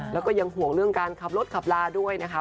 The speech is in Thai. แล้วก็ยังห่วงเรื่องการขับรถขับลาด้วยนะคะ